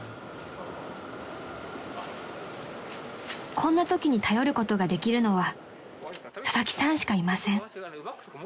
［こんなときに頼ることができるのは佐々木さんしかいません］